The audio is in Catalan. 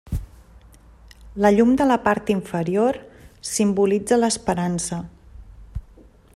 La llum de la part inferior simbolitza l'esperança.